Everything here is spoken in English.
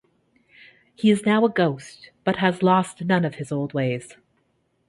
He is now a ghost, but has lost none of his old ways.